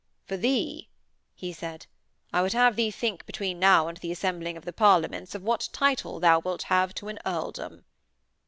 'For thee,' he said, 'I would have thee think between now and the assembling of the Parliaments of what title thou wilt have to an earldom.'